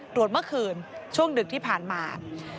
เมื่อคืนช่วงดึกที่ผ่านมา